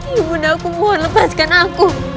ibu undang aku mohon lepaskan aku